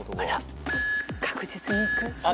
確実にいく？